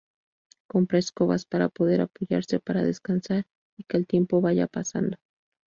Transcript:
Compra escobas para poder apoyarse para descansar y que el tiempo vaya pasando.